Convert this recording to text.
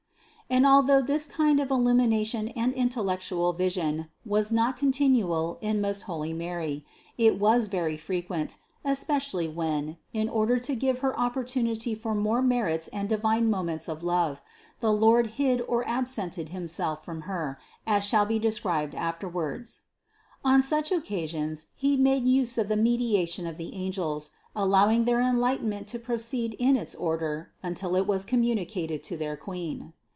And although this kind of illumination and intellectual vision was not continual in most holy Mary ; it was very frequent, especially when, in order to give Her opportunity for more merits and divine movements of love, the Lord hid or absented Him self from Her, as shall be described afterwards (Infr. 725, Part II 719, 720). On such occasions He made use of the mediation of the angels, allowing their enlighten ment to proceed in its order until it was communicated to their Queen.